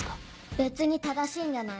別に正しいんじゃない？